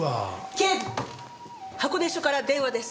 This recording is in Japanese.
警部箱根署から電話です。